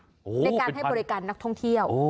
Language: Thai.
ในการให้บริการนักท่องเที่ยว